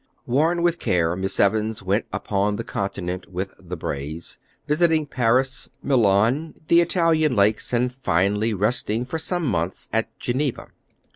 Worn with care, Miss Evans went upon the Continent with the Brays, visiting Paris, Milan, the Italian lakes, and finally resting for some months at Geneva'.